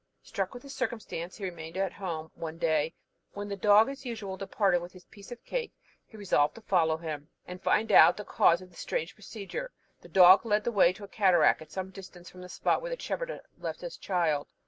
Struck with this circumstance, he remained at home one day, and when the dog, as usual, departed with his piece of cake, he resolved to follow him, and find out the cause of his strange procedure. The dog led the way to a cataract, at some distance from the spot where the shepherd had left his child.